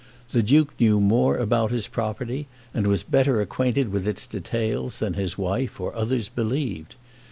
The Duke knew more about his property and was better acquainted with its details than his wife or others believed.